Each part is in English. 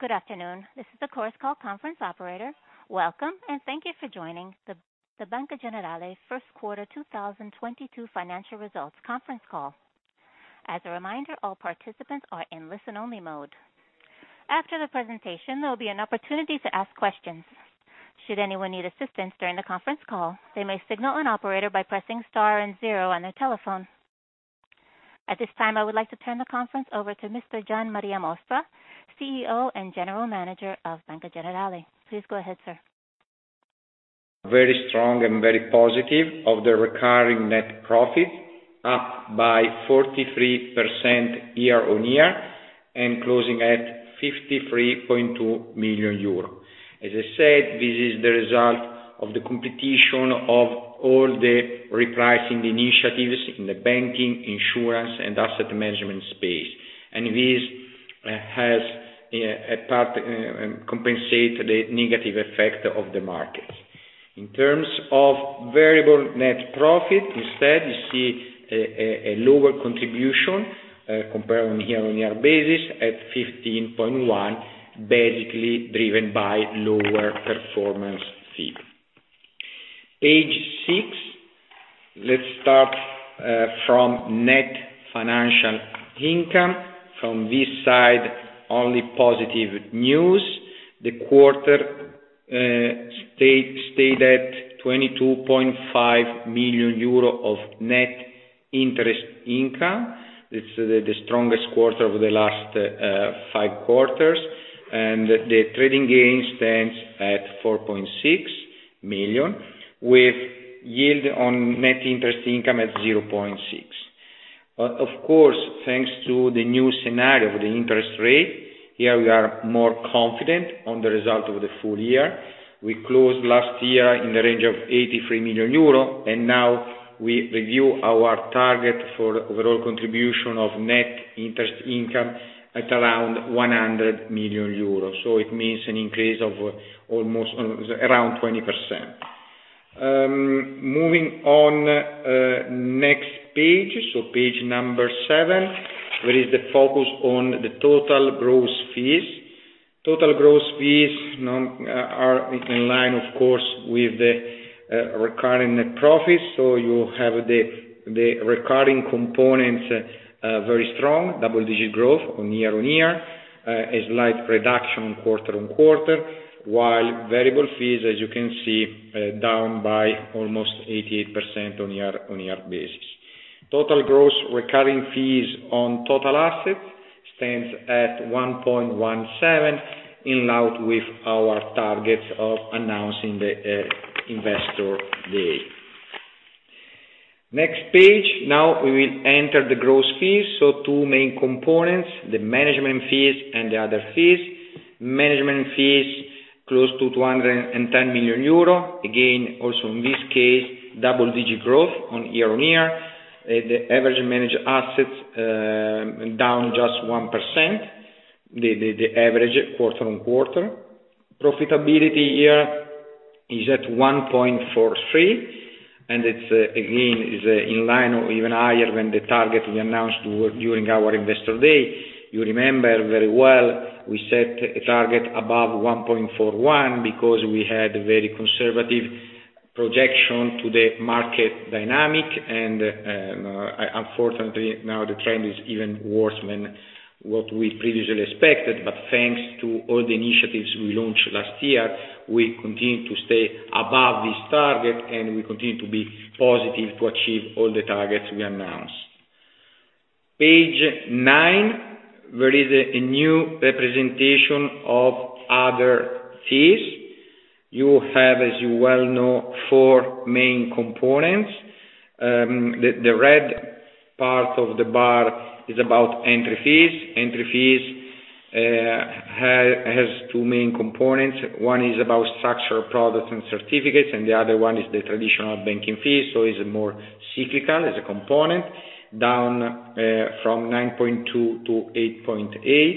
Good afternoon. This is the Chorus Call conference operator. Welcome and thank you for joining the Banca Generali first quarter 2022 financial results conference call. As a reminder, all participants are in listen only mode. After the presentation, there will be an opportunity to ask questions. Should anyone need assistance during the conference call, they may signal an operator by pressing star and zero on their telephone. At this time, I would like to turn the conference over to Mr. Gian Maria Mossa, CEO and General Manager of Banca Generali. Please go ahead, sir. Very strong and very positive of the recurring net profit, up by 43% year-on-year and closing at 53.2 million euro. As I said, this is the result of the contribution of all the repricing initiatives in the banking, insurance and asset management space. This has in part compensated the negative effect of the market. In terms of variable net profit, instead, you see a lower contribution, comparing year-on-year basis at 15.1 million, basically driven by lower performance fees. Page six. Let's start from net financial income. From this side, only positive news. The quarter stayed at 22.5 million euro of net interest income. It's the strongest quarter over the last five quarters. The trading gains stand at 4.6 million, with yield on net interest income at 0.6%. Of course, thanks to the new scenario of the interest rate, here we are more confident on the result of the full year. We closed last year in the range of 83 million euro, and now we review our target for overall contribution of net interest income at around 100 million euros. It means an increase of almost, around 20%. Moving on, next page. Page number seven, where is the focus on the total gross fees. Total gross fees are in line, of course, with the recurring net profits. You have the recurring components very strong double-digit growth year-on-year. A slight reduction quarter-on-quarter, while variable fees, as you can see, down by almost 88% on year-on-year basis. Total gross recurring fees on total assets stands at 1.17%, in line with our targets announced at the investor day. Next page. Now we will enter the gross fees. Two main components, the management fees and the other fees. Management fees close to 210 million euro. Again, also in this case, double-digit growth year-over-year. The average managed assets down just 1%. The average quarter-on-quarter. Profitability here is at 1.43%, and it's again in line or even higher than the target we announced during our investor day. You remember very well we set a target above 1.41% because we had very conservative projection to the market dynamic. Unfortunately, now the trend is even worse than what we previously expected. Thanks to all the initiatives we launched last year, we continue to stay above this target and we continue to be positive to achieve all the targets we announced. Page nine. There is a new representation of other fees. You have, as you well know, four main components. The red part of the bar is about entry fees. Entry fees has two main components. One is about structured products and certificates, and the other one is the traditional banking fees. So it's more cyclical as a component, down from 9.2 to 8.8.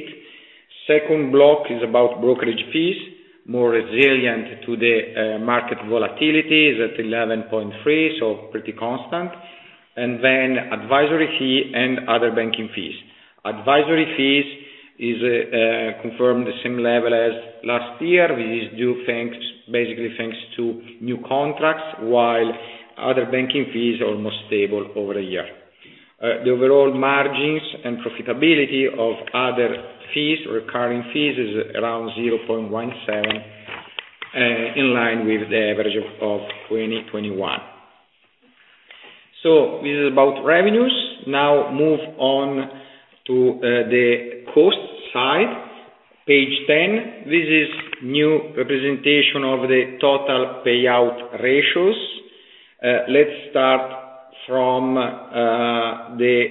Second block is about brokerage fees. More resilient to the market volatility is at 11.3, so pretty constant. And then advisory fee and other banking fees. Advisory fees is confirmed the same level as last year. This is up, thanks, basically thanks to new contracts, while other banking fees are almost stable over a year. The overall margins and profitability of other fees, recurring fees is around 0.17, in line with the average of 2021. This is about revenues. Now move on to the cost side. Page 10. This is a new representation of the total payout ratios. Let's start from the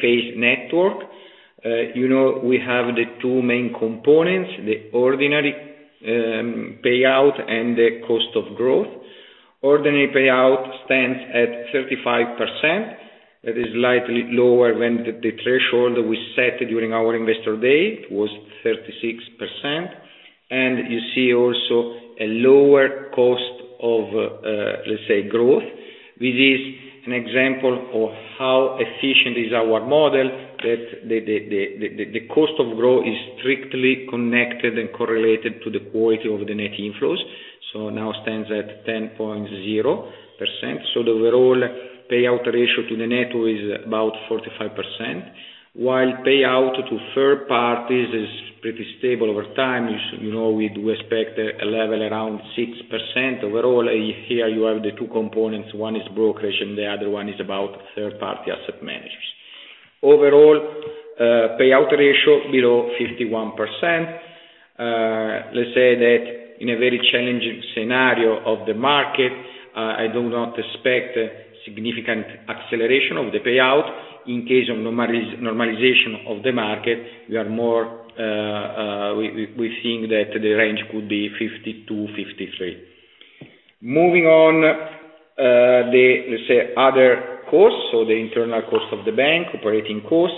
FA network. You know, we have the two main components, the ordinary payout and the cost of growth. Ordinary payout stands at 35%. That is slightly lower than the threshold we set during our investor day. It was 36%. You see also a lower cost of, let's say, growth. This is an example of how efficient is our model that the cost of growth is strictly connected and correlated to the quality of the net inflows. Now stands at 10.0%. The overall payout ratio to the net is about 45%, while payout to third parties is pretty stable over time. You know, we do expect a level around 6%. Overall, here you have the two components. One is brokerage, and the other one is about third-party asset managers. Overall, payout ratio below 51%. Let's say that in a very challenging scenario of the market, I do not expect significant acceleration of the payout. In case of normalization of the market, we think that the range could be 52%-53%. Moving on, let's say, other costs, the internal cost of the bank, operating costs.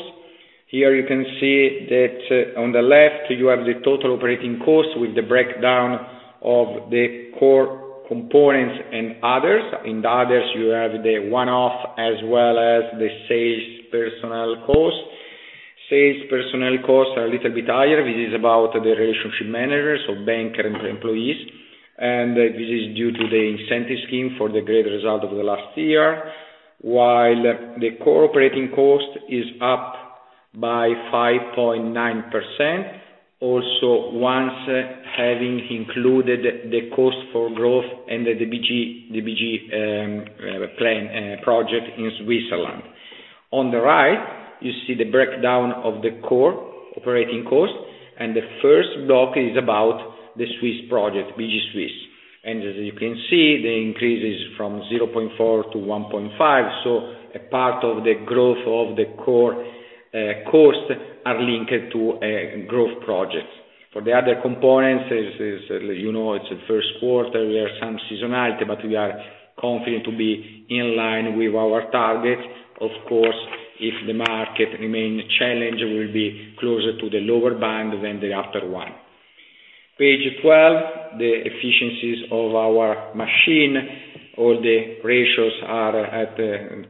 Here you can see that on the left you have the total operating costs with the breakdown of the core components and others. In the others, you have the one-off as well as the sales personnel costs. Sales personnel costs are a little bit higher. This is about the relationship managers or banker employees, and this is due to the incentive scheme for the great result of the last year. While the core operating cost is up by 5.9%, also once having included the cost for growth and the BG plan project in Switzerland. On the right, you see the breakdown of the core operating cost, and the first block is about the Swiss project, BG Suisse. As you can see, the increase is from 0.4% to 1.5%, so a part of the growth of the core costs are linked to growth projects. For the other components, as you know, it's the first quarter. There are some seasonality, but we are confident to be in line with our targets. Of course, if the market remains challenged, we'll be closer to the lower band than the upper one. Page 12, the efficiencies of our machine, all the ratios are at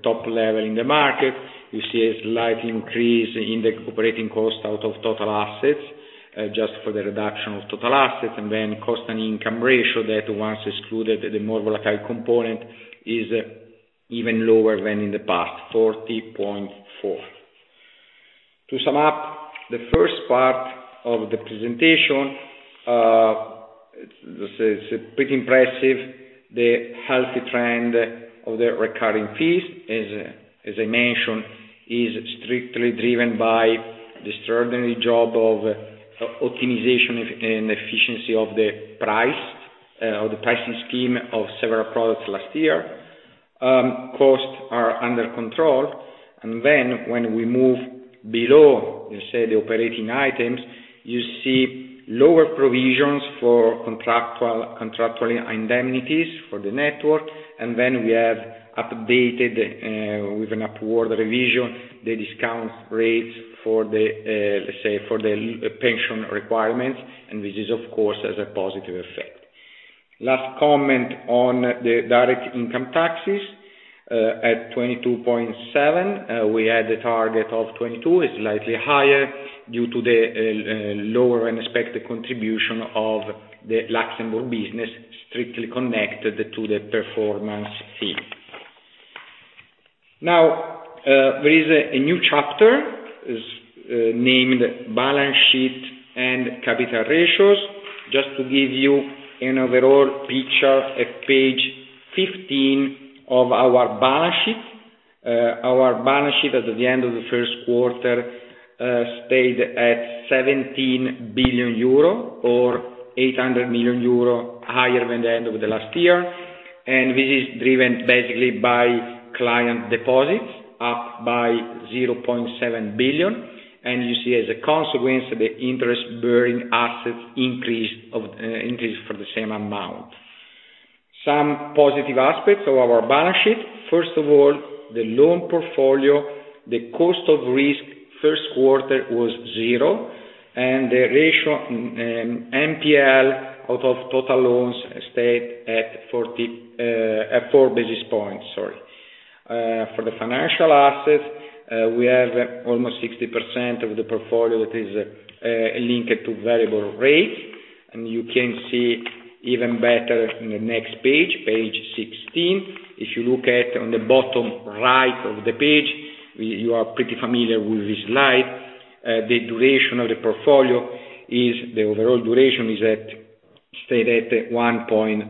top level in the market. You see a slight increase in the operating cost out of total assets just for the reduction of total assets. Then cost/income ratio, that once excluded the more volatile component is even lower than in the past, 40.4%. To sum up the first part of the presentation, this is pretty impressive. The healthy trend of the recurring fees, as I mentioned, is strictly driven by the extraordinary job of optimization and efficiency of the price, or the pricing scheme of several products last year. Costs are under control. When we move below, let's say, the operating items, you see lower provisions for contractually indemnities for the network. We have updated, with an upward revision, the discount rates for the, let's say for the pension requirements, and this is, of course, has a positive effect. Last comment on the direct income taxes, at 22.7%. We had a target of 22%. It's slightly higher due to the lower than expected contribution of the Luxembourg business, strictly connected to the performance fee. Now, there is a new chapter named Balance Sheet and Capital Ratios. Just to give you an overall picture, at page 15 of our balance sheet. Our balance sheet at the end of the first quarter stayed at 17 billion euro or 800 million euro higher than the end of the last year. This is driven basically by client deposits up by 0.7 billion. You see as a consequence, the interest-bearing assets increase for the same amount. Some positive aspects of our balance sheet. First of all, the loan portfolio, the cost of risk first quarter was zero, and the NPL ratio of total loans stayed at 4 basis points. For the financial assets, we have almost 60% of the portfolio that is linked to variable rates. You can see even better in the next page 16. If you look at on the bottom right of the page, you are pretty familiar with this slide. The duration of the portfolio is the overall duration stayed at 1.3.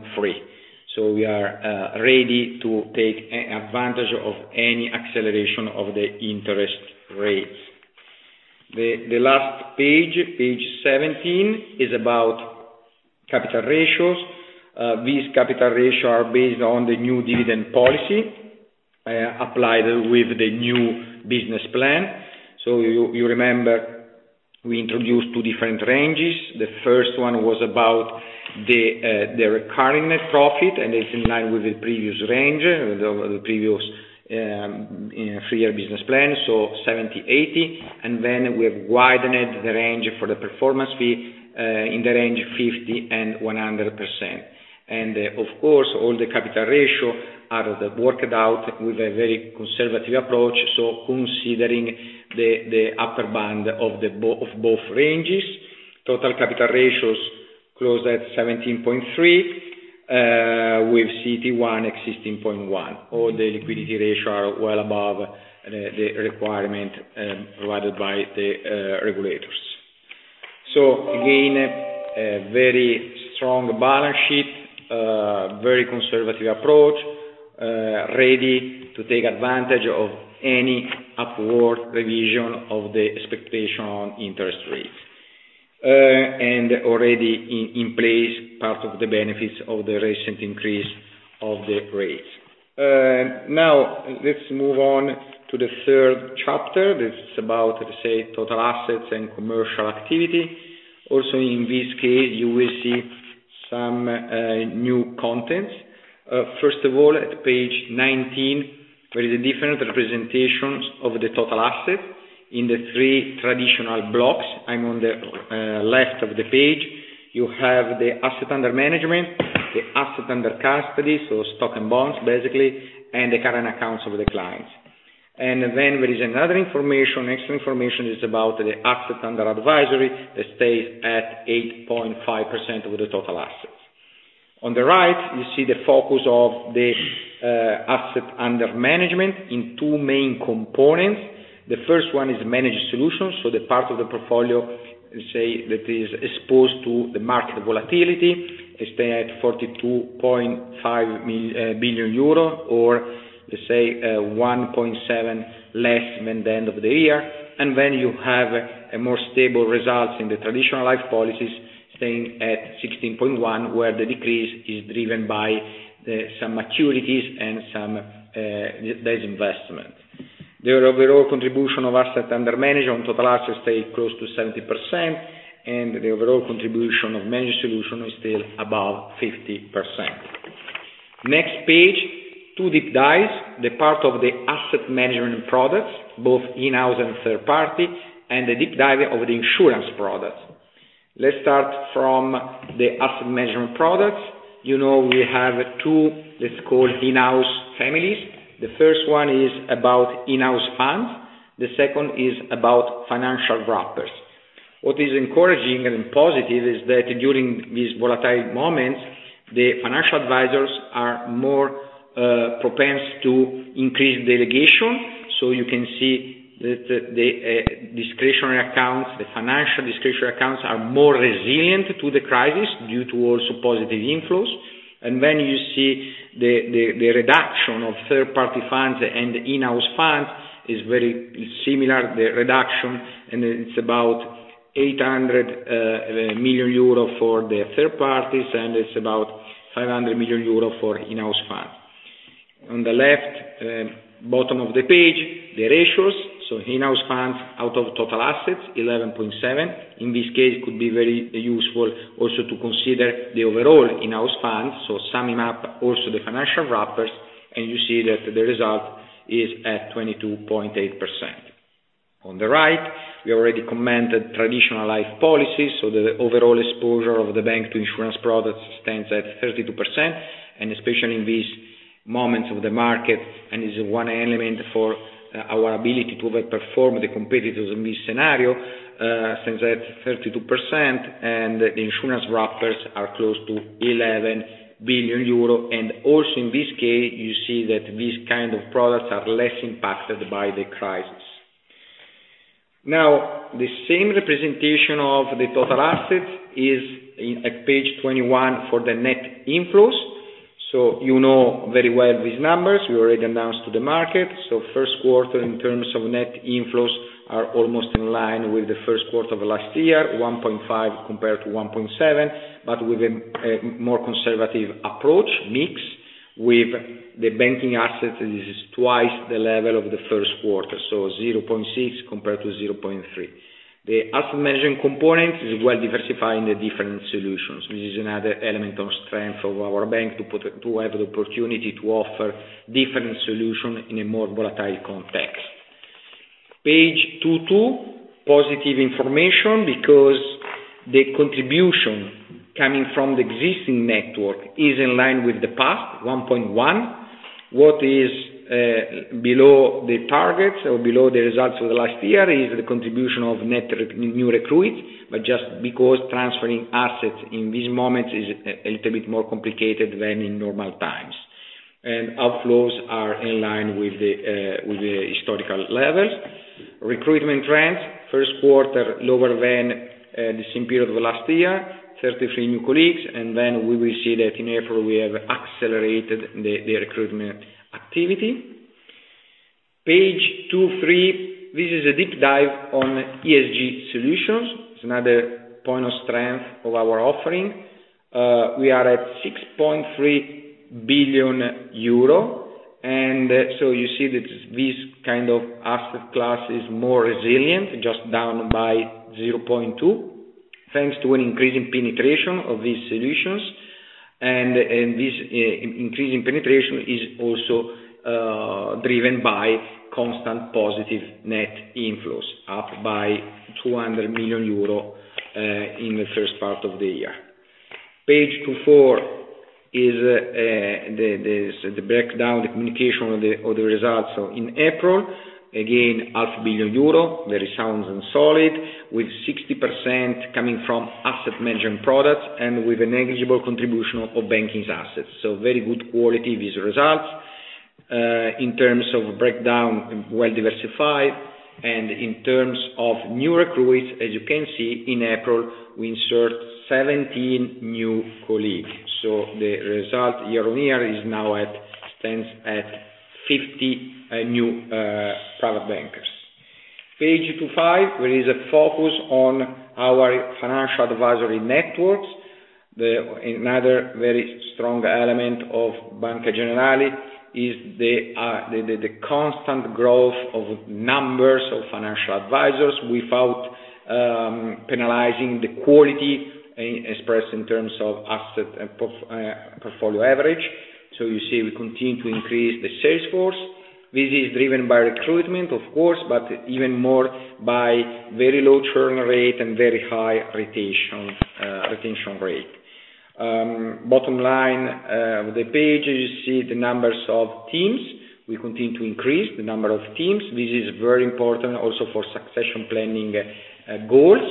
We are ready to take advantage of any acceleration of the interest rates. The last page 17, is about capital ratios. These capital ratios are based on the new dividend policy applied with the new business plan. You remember we introduced two different ranges. The first one was about the recurring net profit, and it's in line with the previous range, with the previous you know three-year business plan, so 70-80. Then we have widened the range for the performance fee in the range of 50%-100%. Of course, all the capital ratios are worked out with a very conservative approach, considering the upper bound of both ranges. Total capital ratios closed at 17.3%, with CET1 at 16.1%. All the liquidity ratios are well above the requirement provided by the regulators. Again, a very strong balance sheet, very conservative approach, ready to take advantage of any upward revision of the expectation on interest rates. Already in place, part of the benefits of the recent increase of the rates. Now let's move on to the third chapter. This is about, let's say, total assets and commercial activity. Also, in this case, you will see some new contents. First of all, at page 19, there is a different representation of the total assets in the three traditional blocks. On the left of the page, you have the asset under management, the asset under custody, so stocks and bonds, basically, and the current accounts of the clients. Then there is another information. Extra information is about the asset under advisory that stays at 8.5% of the total assets. On the right, you see the focus of the asset under management in two main components. The first one is managed solutions. The part of the portfolio, let's say, that is exposed to the market volatility, they stay at 42.5 billion euro or, let's say, 1.7 less than the end of the year. You have a more stable results in the traditional life policies, staying at 16.1 billion, where the decrease is driven by the, some maturities and some disinvestment. The overall contribution of assets under management on total assets stay close to 70%, and the overall contribution of managed solution is still above 50%. Next page, two deep dives. The part of the asset management products, both in-house and third party, and the deep dive of the insurance products. Let's start from the asset management products. You know we have two, let's call, in-house families. The first one is about in-house funds, the second is about financial wrappers. What is encouraging and positive is that during these volatile moments, the financial advisors are more prone to increase delegation. You can see that the discretionary accounts, the financial discretionary accounts are more resilient to the crisis due to also positive inflows. You see the reduction of third-party funds and in-house funds is very similar, the reduction. It's about 800 million euro for the third parties, and it's about 500 million euro for in-house funds. On the left bottom of the page, the ratios. In-house funds out of total assets, 11.7%. In this case, it could be very useful also to consider the overall in-house funds, so summing up also the financial wrappers, and you see that the result is at 22.8%. On the right, we already commented on traditional life policies. The overall exposure of the bank to insurance products stands at 32%, and especially in these moments of the market, and is one element for our ability to over-perform the competitors in this scenario, stands at 32%, and the insurance wrappers are close to 11 billion euro. Also in this case, you see that these kind of products are less impacted by the crisis. Now, the same representation of the total assets is in at page 21 for the net inflows. You know very well these numbers. We already announced to the market. First quarter, in terms of net inflows, are almost in line with the first quarter of last year, 1.5 compared to 1.7. With a more conservative approach mix, with the banking assets is twice the level of the first quarter, so 0.6 compared to 0.3. The asset management component is well diversifying the different solutions, which is another element of strength of our bank. To have the opportunity to offer different solution in a more volatile context. Page 22, positive information because the contribution coming from the existing network is in line with the past, 1.1. What is below the targets or below the results of the last year is the contribution of new recruits, but just because transferring assets in this moment is a little bit more complicated than in normal times. Outflows are in line with the historical levels. Recruitment trends, first quarter lower than the same period of last year, 33 new colleagues. We will see that in April we have accelerated the recruitment activity. Page 23, this is a deep dive on ESG solutions. It's another point of strength of our offering. We are at 6.3 billion euro. You see that this kind of asset class is more resilient, just down by 0.2%, thanks to an increasing penetration of these solutions. Increasing penetration is also driven by constant positive net inflows, up by 200 million euro in the first part of the year. Page 24 is the breakdown, the communication of the results. In April, again, 500 million euro, very sound and solid, with 60% coming from asset management products and with a negligible contribution of banking's assets. Very good quality business results. In terms of breakdown, well-diversified. In terms of new recruits, as you can see, in April, we insert 17 new colleagues. The result year-on-year now stands at 50 new private bankers. Page 25, there is a focus on our financial advisory networks. Another very strong element of Banca Generali is the constant growth of numbers of financial advisors without penalizing the quality expressed in terms of asset and portfolio average. You see we continue to increase the sales force. This is driven by recruitment, of course, but even more by very low churn rate and very high retention rate. Bottom line of the page, you see the numbers of teams. We continue to increase the number of teams. This is very important also for succession planning goals.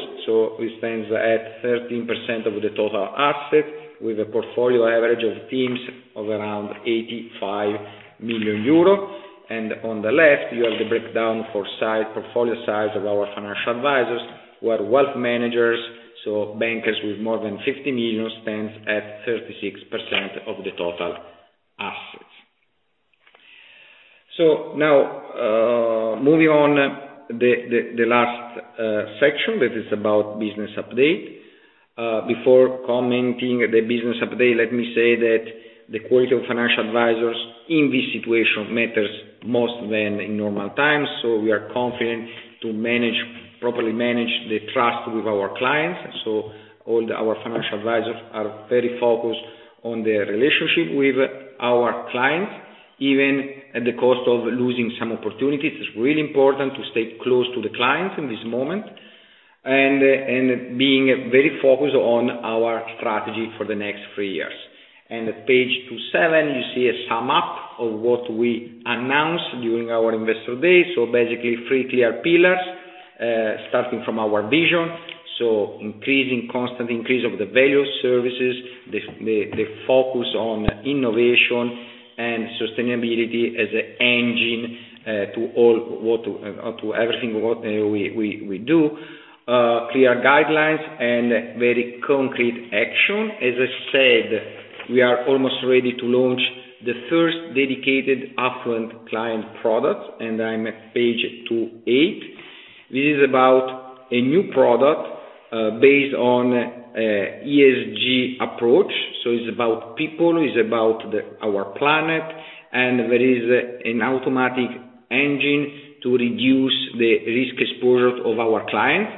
This stands at 13% of the total assets with a portfolio average of teams of around 85 million euro. On the left, you have the breakdown for size, portfolio size of our financial advisors who are wealth managers. Bankers with more than 50 million stand at 36% of the total assets. Now, moving on, the last section that is about business update. Before commenting the business update, let me say that the quality of financial advisors in this situation matters more than in normal times, so we are confident to properly manage the trust with our clients. All our financial advisors are very focused on their relationship with our clients, even at the cost of losing some opportunities. It's really important to stay close to the clients in this moment and being very focused on our strategy for the next three years. At page 27, you see a sum up of what we announced during our investor day. Basically three clear pillars, starting from our vision, increasing, constant increase of the value services, the focus on innovation and sustainability as an engine to everything we do. Clear guidelines and very concrete action. As I said, we are almost ready to launch the first dedicated affluent client product, and I'm at page 28. This is about a new product based on ESG approach, so it's about people, it's about our planet, and there is an automatic engine to reduce the risk exposure of our clients.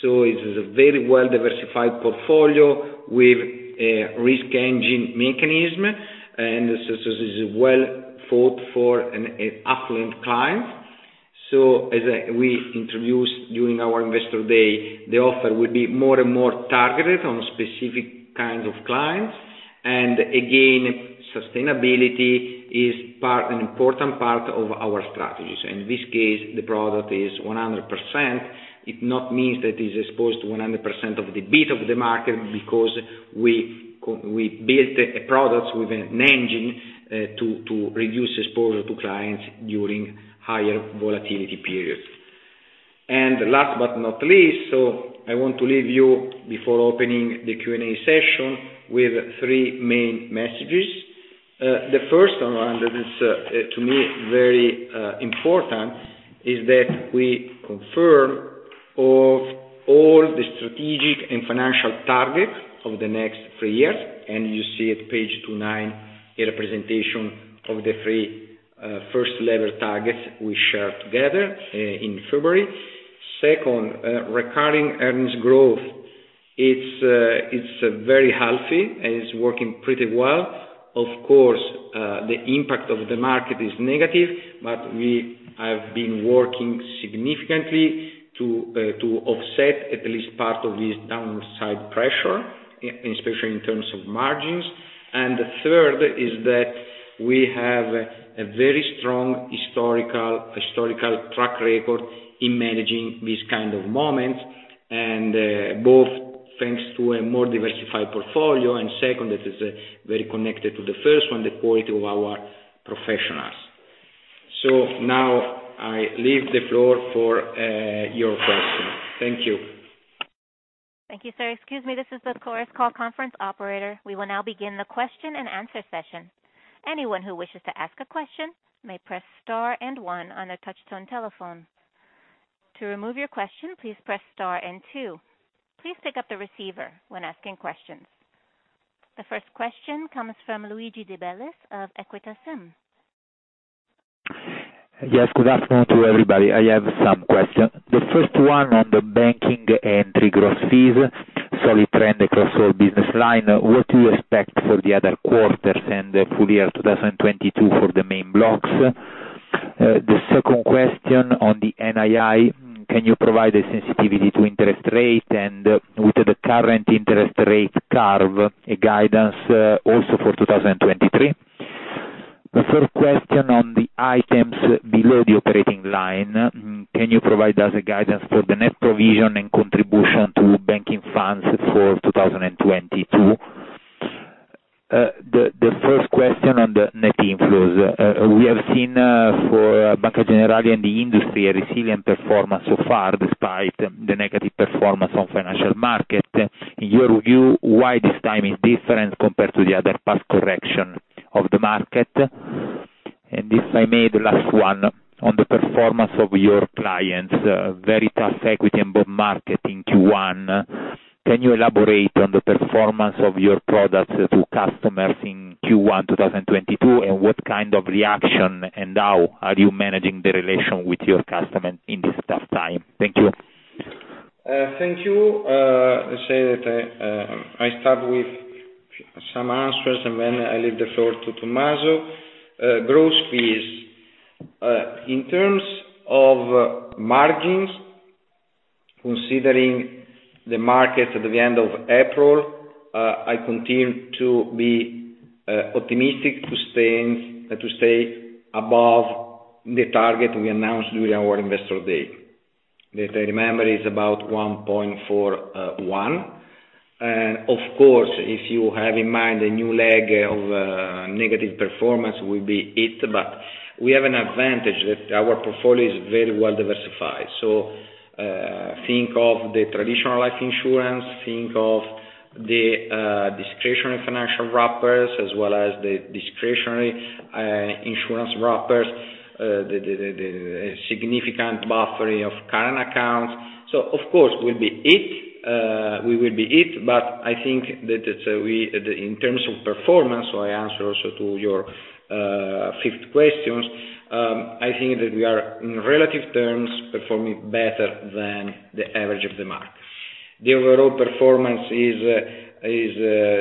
It's a very well-diversified portfolio with a risk engine mechanism, and this is well thought for an affluent client. As we introduced during our investor day, the offer will be more and more targeted on specific kinds of clients. Again, sustainability is an important part of our strategies. In this case, the product is 100%. It does not mean that it is exposed to 100% of the beta of the market because we built a product with an engine to reduce exposure to clients during higher volatility periods. Last but not least, I want to leave you before opening the Q&A session with three main messages. The first one, and this, to me, very important, is that we confirm of all the strategic and financial targets of the next three years, and you see at page 29 a representation of the three first level targets we shared together in February. Second, recurring earnings growth. It's very healthy, and it's working pretty well. Of course, the impact of the market is negative, but we have been working significantly to offset at least part of this downside pressure, especially in terms of margins. The third is that we have a very strong historical track record in managing these kind of moments, and both thanks to a more diversified portfolio, and second, that is very connected to the first one, the quality of our professionals. Now I leave the floor for your questions. Thank you. Thank you, sir. Excuse me, this is the Chorus Call conference operator. We will now begin the question and answer session. Anyone who wishes to ask a question may press star and one on their touchtone telephone. To remove your question, please press star and two. Please pick up the receiver when asking questions. The first question comes from Luigi De Bellis of Equita SIM. Yes, good afternoon to everybody. I have some questions. The first one on the banking and recurring gross fees, solid trend across all business line. What do you expect for the other quarters and the full year 2022 for the main blocks? The second question on the NII, can you provide a sensitivity to interest rate and with the current interest rate curve, a guidance, also for 2023? The third question on the items below the operating line, can you provide us a guidance for the net provision and contribution to banking funds for 2022? The first question on the net inflows. We have seen, for Banca Generali in the industry a resilient performance so far, despite the negative performance on financial market. In your view, why this time is different compared to the other past correction of the market? If I may, the last one. On the performance of your clients, very tough equity and bond market in Q1, can you elaborate on the performance of your products to customers in Q1, 2022, and what kind of reaction and how are you managing the relation with your customer in this tough time? Thank you. Thank you. Let's say that I start with some answers, and then I leave the floor to Tommaso. Gross fees. In terms of margins, considering the market at the end of April, I continue to be optimistic to stay above the target we announced during our investor day. If I remember, it's about 1.41%. Of course, if you have in mind a new leg of negative performance will be hit, but we have an advantage that our portfolio is very well diversified. Think of the traditional life insurance, think of the discretionary financial wrappers, as well as the discretionary insurance wrappers, the significant buffering of current accounts. Of course, we'll be hit. We will be hit, but I think that we. In terms of performance, I answer also to your fifth questions. I think that we are, in relative terms, performing better than the average of the market. The overall performance is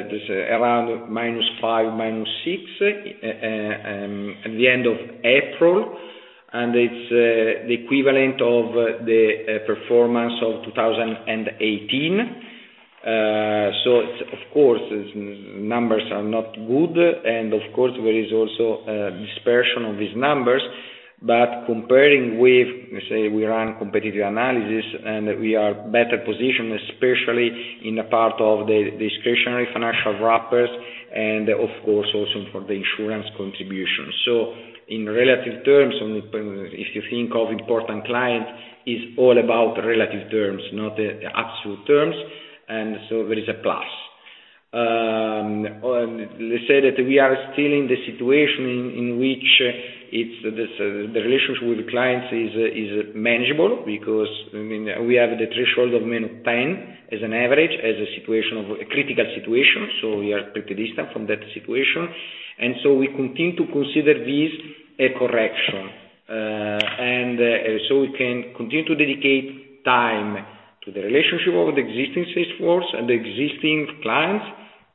just around -5%, -6% at the end of April, and it's the equivalent of the performance of 2018. It's, of course, numbers are not good. Of course, there is also dispersion of these numbers. Comparing with, let's say we run competitive analysis, and we are better positioned, especially in a part of the discretionary financial wrappers and of course, also for the insurance contribution. In relative terms, if you think of important clients, it's all about relative terms, not the absolute terms, and there is a plus. Let's say that we are still in the situation in which it's the relationship with the clients is manageable because, I mean, we have the threshold of -10 as an average, as a situation of a critical situation, so we are pretty distant from that situation. We continue to consider this a correction. We can continue to dedicate time to the relationship with existing sales force and the existing clients,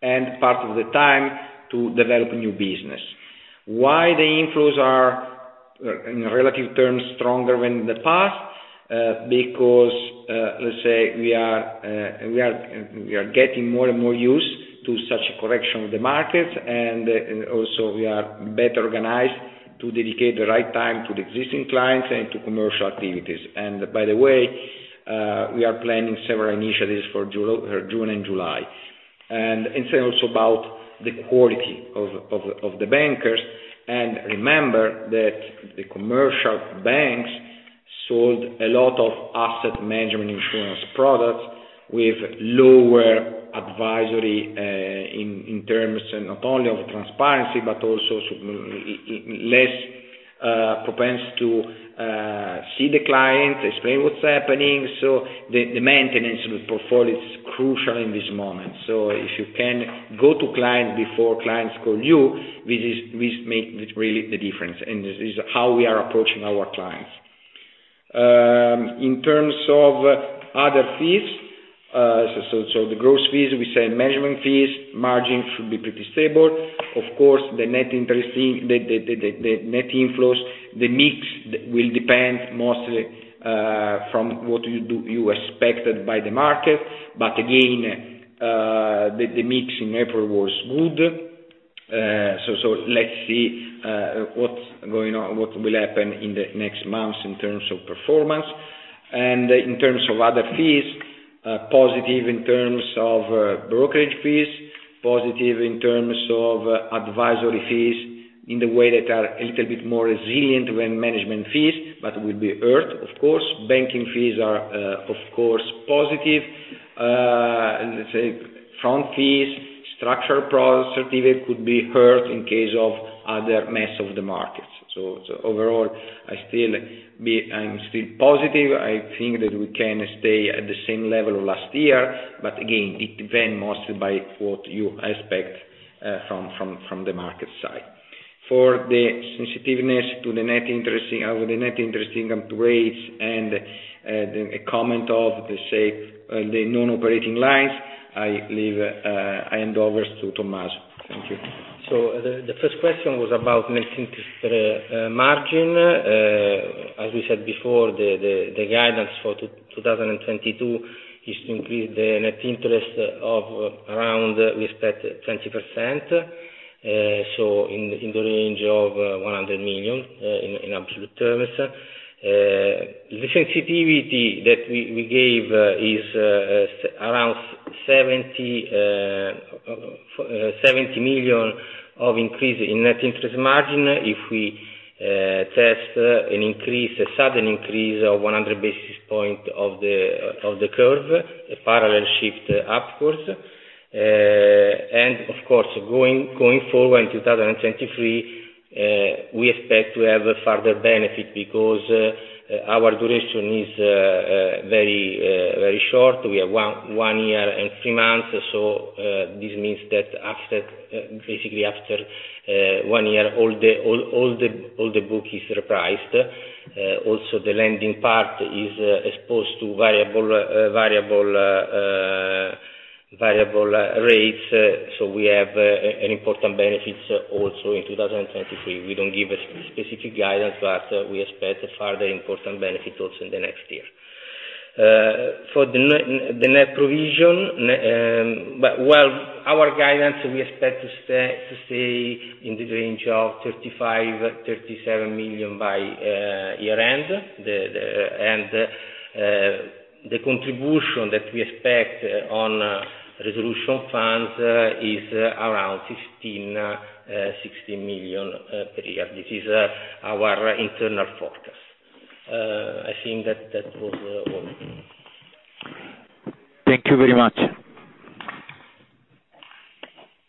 and part of the time to develop new business. Why the inflows are, in relative terms, stronger than the past? Because, let's say we are getting more and more used to such a correction of the market. Also, we are better organized to dedicate the right time to the existing clients and to commercial activities. By the way, we are planning several initiatives for June and July. Say also about the quality of the bankers. Remember that the commercial banks sold a lot of asset management insurance products with lower advisory in terms of not only transparency, but also less prone to see the clients, explain what's happening. The maintenance of the portfolio is crucial in this moment. If you can go to clients before clients call you, this makes the difference, and this is how we are approaching our clients. In terms of other fees. The gross fees, we say management fees, margin should be pretty stable. Of course, the net interest and fee, the net inflows, the mix will depend mostly from what you expect from the market. Again, the mix in April was good. Let's see what's going on, what will happen in the next months in terms of performance. In terms of other fees, positive in terms of brokerage fees, positive in terms of advisory fees in the way that are a little bit more resilient than management fees, but will be hurt, of course. Banking fees are, of course, positive. Let's say, front fees, structured products certificates could be hurt in case of adverse moves of the markets. Overall, I'm still positive. I think that we can stay at the same level of last year. Again, it depends mostly on what you expect from the market side. For the sensitivity of the net interest income to interest rates and the comments on, let's say, the non-operating lines, I hand over to Tommaso. Thank you. The first question was about net interest margin. As we said before, the guidance for 2022 is to increase the net interest of around we expect 20%. In the range of 100 million in absolute terms. The sensitivity that we gave is around 70 million of increase in net interest margin. If we test an increase, a sudden increase of 100 basis points of the curve, a parallel shift upwards. Of course, going forward, in 2023, we expect to have a further benefit because our duration is very short. We have one year and three months. This means that basically after one year all the book is repriced. Also the lending part is exposed to variable rates. We have an important benefits also in 2023. We don't give a specific guidance, but we expect further important benefit also in the next year. For the net provision, well, our guidance, we expect to stay in the range of 35 million-37 million by year end. The contribution that we expect on resolution funds is around 15 million-16 million per year. This is our internal forecast. I think that was all. Thank you very much.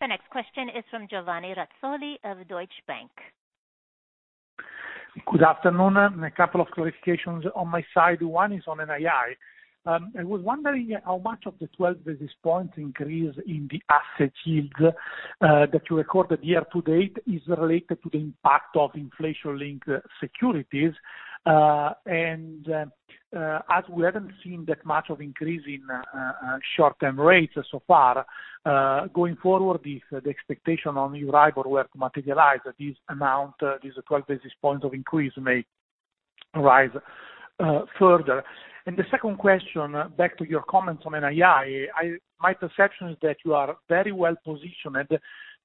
The next question is from Giovanni Razzoli of Deutsche Bank. Good afternoon. A couple of clarifications on my side. One is on NII. I was wondering how much of the 12 basis points increase in the asset yield that you recorded year to date is related to the impact of inflation-linked securities. As we haven't seen that much of increase in short-term rates so far, going forward, if the expectation on Euribor were to materialize, this 12 basis points of increase may rise further. The second question, back to your comments on NII, my perception is that you are very well positioned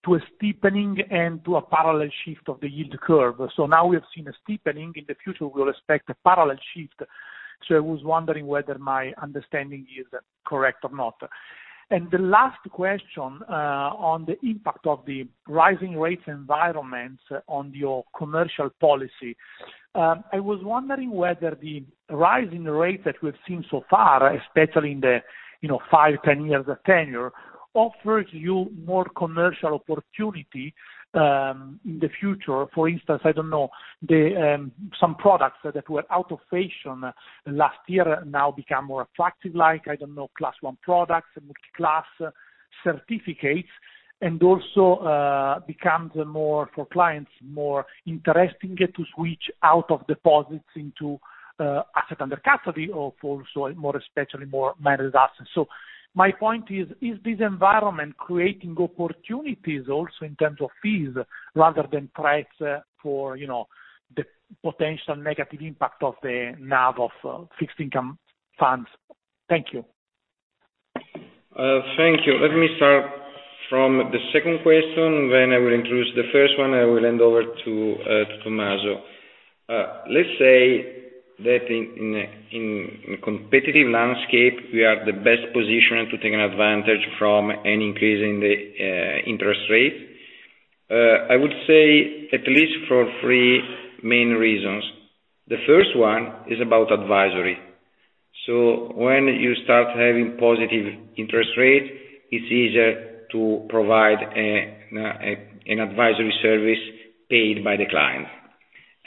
to a steepening and to a parallel shift of the yield curve. Now we have seen a steepening. In the future, we'll expect a parallel shift. I was wondering whether my understanding is correct or not. The last question on the impact of the rising rates environment on your commercial policy. I was wondering whether the rising rates that we've seen so far, especially in the, you know, five, 10 year tenor, offers you more commercial opportunity in the future. For instance, I don't know, some products that were out of fashion last year now become more attractive, like, I don't know, class one products and multi-class certificates. Also, becomes more, for clients, more interesting to switch out of deposits into asset under custody, so especially more managed assets. My point is this environment creating opportunities also in terms of fees rather than price for, you know, the potential negative impact of the NAV of fixed income funds? Thank you. Thank you. Let me start from the second question, then I will introduce the first one, I will hand over to Tommaso. Let's say that in a competitive landscape, we are the best positioned to take an advantage from any increase in the interest rate. I would say at least for three main reasons. The first one is about advisory. When you start having positive interest rate, it's easier to provide an advisory service paid by the client.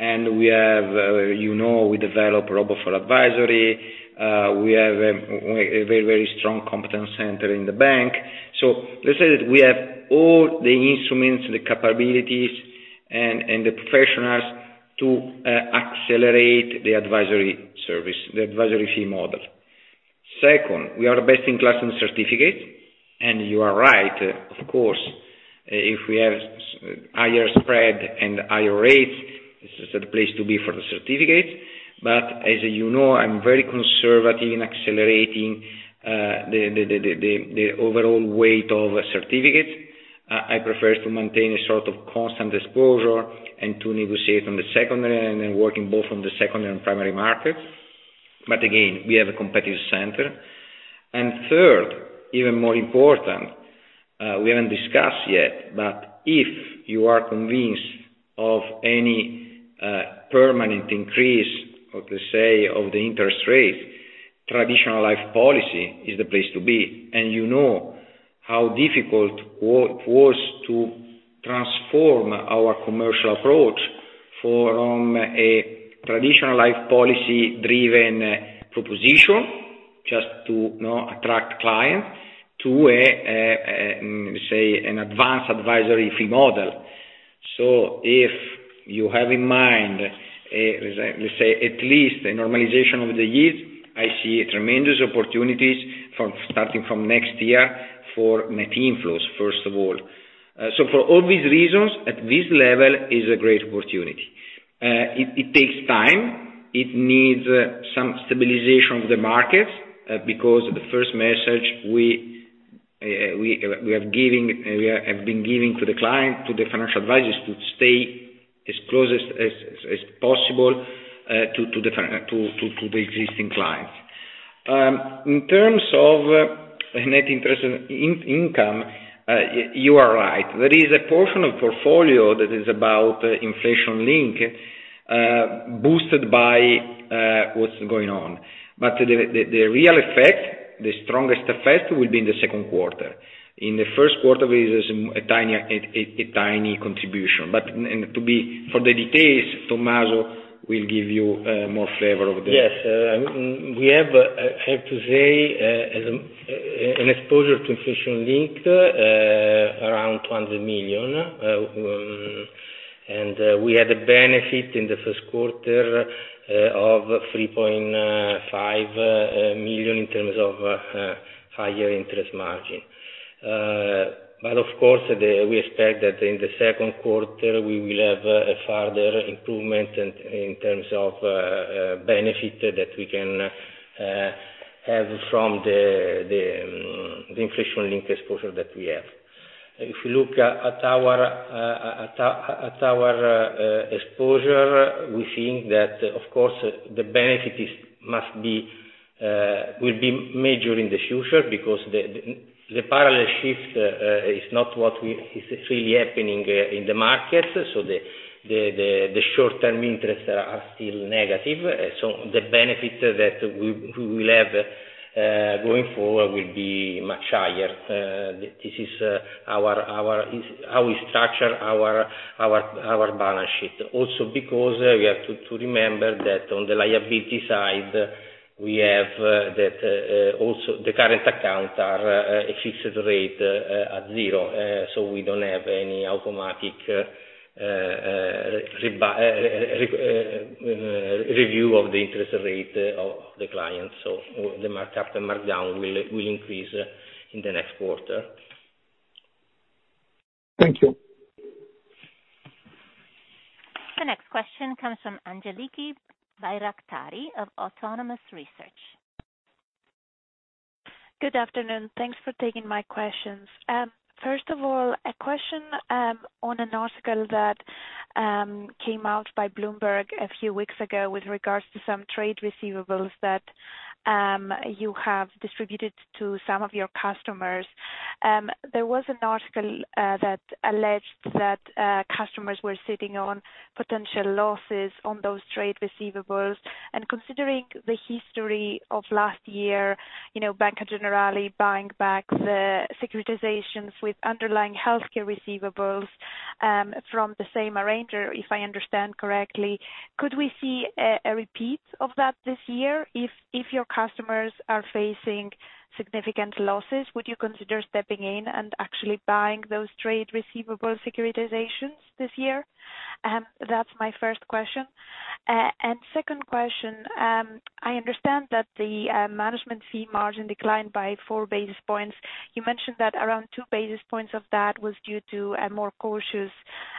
And we have, you know, we developed robo for advisory. We have a very, very strong competence center in the bank. Let's say that we have all the instruments, the capabilities and the professionals to accelerate the advisory service, the advisory fee model. Second, we are best in class in certificate. You are right, of course, if we have higher spread and higher rates, this is the place to be for the certificate. As you know, I'm very conservative in accelerating the overall weight of certificates. I prefer to maintain a sort of constant exposure and to negotiate on the secondary and then working both on the secondary and primary markets. Again, we have a competitive center. Third, even more important. We haven't discussed yet, but if you are convinced of any permanent increase, or to say, of the interest rate, traditional life policy is the place to be. You know how difficult was to transform our commercial approach from a traditional life policy driven proposition just to, you know, attract clients to a, let me say, an advanced advisory fee model. If you have in mind, let's say, at least a normalization over the years, I see tremendous opportunities from, starting from next year for net inflows, first of all. For all these reasons, at this level is a great opportunity. It takes time. It needs some stabilization of the market, because the first message we have been giving to the client, to the financial advisors to stay as close as possible to the existing clients. In terms of net interest income, you are right. There is a portion of portfolio that is about inflation-linked, boosted by what's going on. But the real effect, the strongest effect will be in the second quarter. In the first quarter it is a tiny contribution. For the details, Tommaso will give you more flavor of the. Yes. We have, I have to say, as an exposure to inflation link around 20 million. We had a benefit in the first quarter of 3.5 million in terms of higher interest margin. Of course, we expect that in the second quarter we will have a further improvement in terms of benefit that we can have from the inflation link exposure that we have. If you look at our exposure, we think that of course the benefit must be will be major in the future because the parallel shift is not what is really happening in the market. The short-term interests are still negative. The benefit that we will have going forward will be much higher. This is how we structure our balance sheet. Also because we have to remember that on the liability side, we have that also the current account are a fixed rate at zero. We don't have any automatic review of the interest rate of the clients. The mark up and mark down will increase in the next quarter. Thank you. The next question comes from Angeliki Bairaktari of Autonomous Research. Good afternoon. Thanks for taking my questions. First of all, a question on an article that came out by Bloomberg a few weeks ago with regards to some trade receivables that you have distributed to some of your customers. There was an article that alleged that customers were sitting on potential losses on those trade receivables. Considering the history of last year, you know, Banca Generali buying back the securitizations with underlying healthcare receivables from the same arranger, if I understand correctly, could we see a repeat of that this year? If your customers are facing significant losses, would you consider stepping in and actually buying those trade receivable securitizations this year? That's my first question. Second question, I understand that the management fee margin declined by four basis points. You mentioned that around 2 basis points of that was due to a more cautious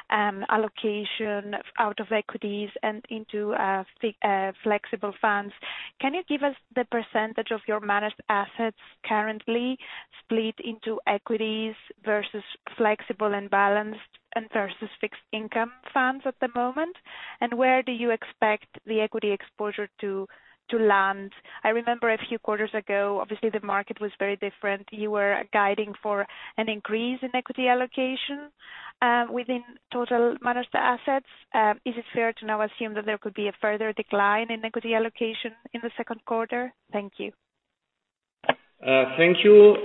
allocation out of equities and into flexible funds. Can you give us the percentage of your managed assets currently split into equities versus flexible and balanced and versus fixed income funds at the moment? Where do you expect the equity exposure to land? I remember a few quarters ago, obviously the market was very different. You were guiding for an increase in equity allocation within total managed assets. Is it fair to now assume that there could be a further decline in equity allocation in the second quarter? Thank you. Thank you.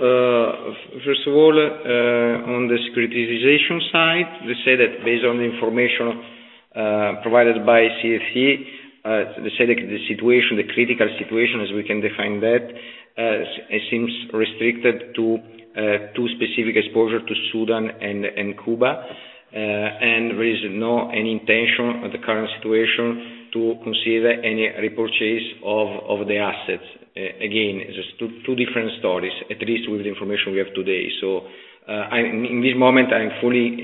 First of all, on the securitization side, let's say that based on the information provided by CFG, let's say the situation, the critical situation as we can define that, it seems restricted to two specific exposure to Sudan and Cuba. There is no any intention of the current situation to consider any repurchase of the assets. Again, just two different stories, at least with the information we have today. I in this moment, I'm fully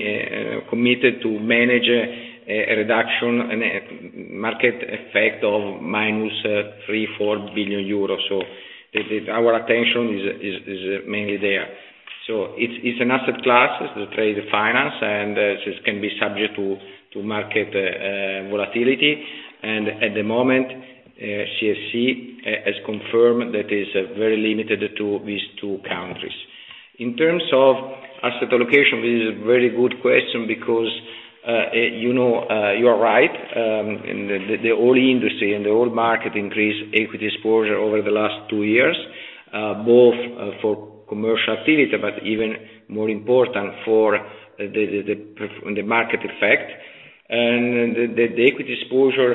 committed to manage a reduction and a market effect of -3.4 billion euros. Our attention is mainly there. It's an asset class, the trade finance, and this can be subject to market volatility. At the moment, CSG has confirmed that is very limited to these two countries. In terms of asset allocation, this is a very good question because you know you are right in the whole industry and the whole market increase equity exposure over the last two years both for commercial activity, but even more important for the market effect and the equity exposure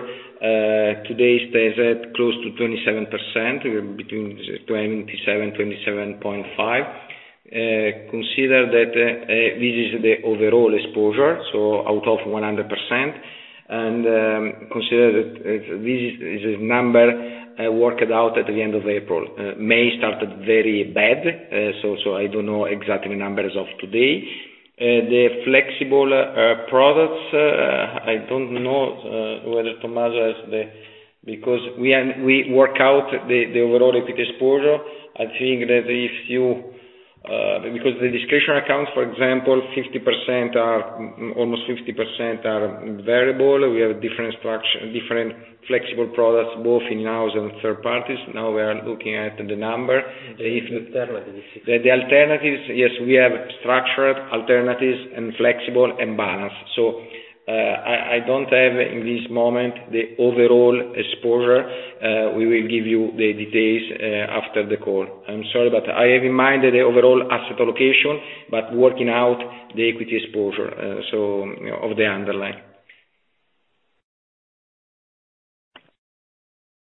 today stands at close to 27%, between 27-27.5%. Consider that this is the overall exposure, so out of 100%. Consider that this is a number worked out at the end of April. May started very bad. I don't know exactly the numbers of today. The flexible products, I don't know whether Tommaso has the. Because we are, we work out the overall equity exposure. I think that if you. Because the discretionary accounts, for example, almost 50% are variable. We have different structure, different flexible products, both in-house and third parties. Now we are looking at the number. If. The alternatives. The alternatives. Yes, we have structured alternatives and flexible and balanced. I don't have in this moment the overall exposure. We will give you the details, after the call. I'm sorry, but I have in mind the overall asset allocation, but working out the equity exposure, so, of the underlying.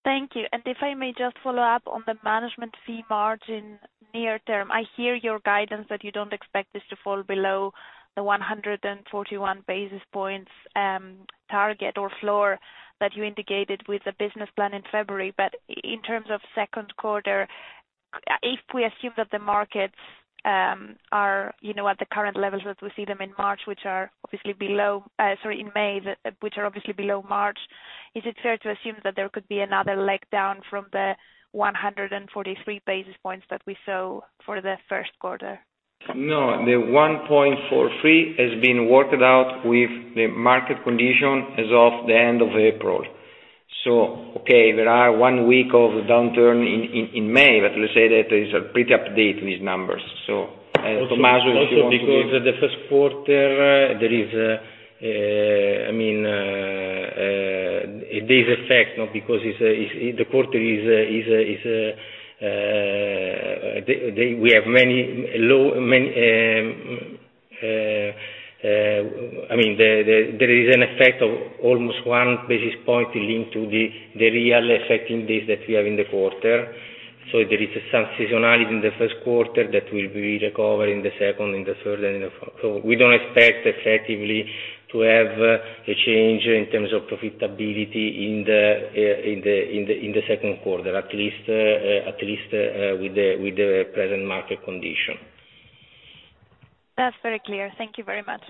Thank you. If I may just follow up on the management fee margin near term. I hear your guidance that you don't expect this to fall below the 141 basis points target or floor that you indicated with the business plan in February. In terms of second quarter, if we assume that the markets are, you know, at the current levels that we see them in March, which are obviously below, sorry, in May, which are obviously below March, is it fair to assume that there could be another leg down from the 143 basis points that we saw for the first quarter? No, the 1.43 has been worked out with the market condition as of the end of April. Okay, there are one week of downturn in May, but let's say that is a pretty up-to-date with these numbers. Tommaso, if you want to give. Because the first quarter there is, I mean, this effect, because it's the quarter. There is an effect of almost one basis point linked to the affecting days that we have in the quarter. There is some seasonality in the first quarter that will be recovered in the second, in the third, and in the fourth. We don't expect effectively to have a change in terms of profitability in the second quarter, at least with the present market condition. That's very clear. Thank you very much.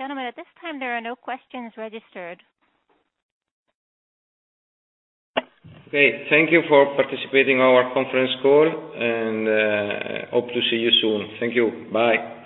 Gentlemen, at this time, there are no questions registered. Okay, thank you for participating in our conference call and hope to see you soon. Thank you. Bye.